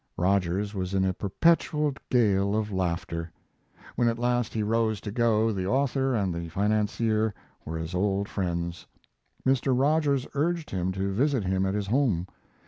Rogers was in a perpetual gale of laughter. When at last he rose to go the author and the financier were as old friends. Mr. Rogers urged him to visit him at his home.